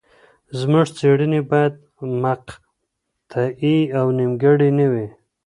زموږ څېړني باید مقطعي او نیمګړي نه وي.